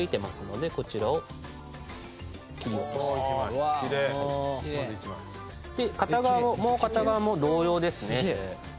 で片側ももう片側も同様ですね。